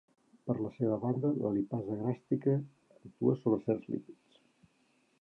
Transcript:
Per la seva banda, la lipasa gàstrica actua sobre certs lípids.